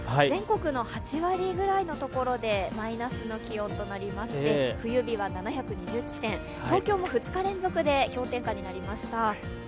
全国の８割ぐらいの所でマイナスの気温となりまして冬日は７２０地点、東京も２日連続で氷点下になりました。